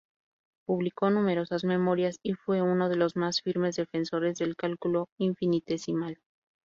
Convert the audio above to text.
Publicó numerosas memorias y fue uno de los más firmes defensores del cálculo infinitesimal.